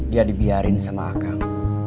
dia dibiarin sama akam